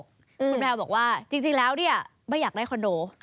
คุณแพลวบอกว่าจริงแล้วเนี่ยไม่อยากได้คอนโด